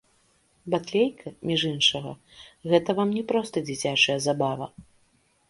Батлейка, між іншага, гэта вам не проста дзіцячая забава.